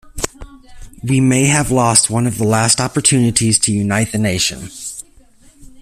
We may have lost one of the last opportunities to unite the nation.